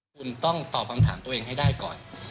คุณต้องตอบคำถามตัวเองให้ได้ก่อน